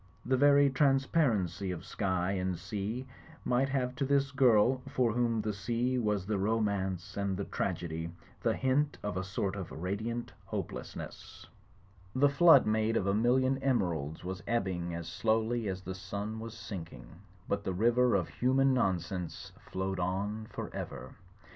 The very transparency of sky and sea might have to this girl, for whom the sea was the romance and the trag edy, the hint of a sort of radiant hopelessness. The A SERMON ON INNS 17 flood made of a million emeralds was ebbing as slowly as the sun was sinking: but the river of human non sense flowed on for ever.